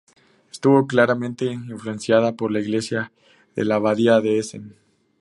Estuvo claramente influenciada por la iglesia de la Abadía de Essen.